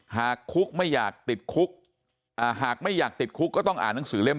หากคุกไม่อยากติดคุกหากไม่อยากติดคุกก็ต้องอ่านหนังสือเล่ม